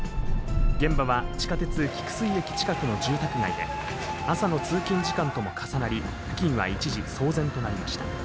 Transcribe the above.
現場は地下鉄菊水駅近くの住宅街で、朝の通勤時間とも重なり、付近は一時、騒然となりました。